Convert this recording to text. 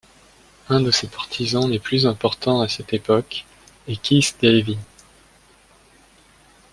Un de ses partisans les plus importants à cette époque est Keith Davey.